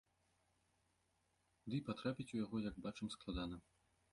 Дый патрапіць у яго, як бачым, складана.